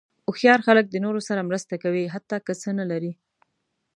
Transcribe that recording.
هوښیار خلک د نورو سره مرسته کوي، حتی که څه نه لري.